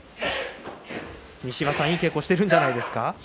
西岩さん、いい稽古してるんじゃないですか。